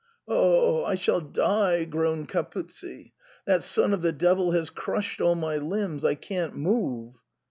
" Oh, I shall die !" groaned Capuzzi ;" that son of the devil has crushed all my limbs ; I can't move."